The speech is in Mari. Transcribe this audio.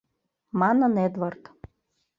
— манын Эдвард.